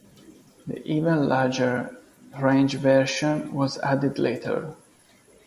The even larger Range version was added later.